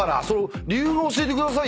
理由を教えてくださいよ。